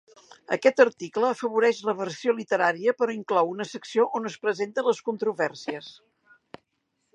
Aquest article afavoreix la versió literària, però inclou una secció on es presenten les controvèrsies.